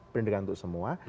pendidikan untuk semua